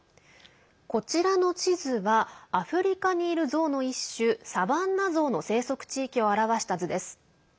こちらの地図はアフリカにいるゾウの一種サバンナゾウの生息地域を表した図です。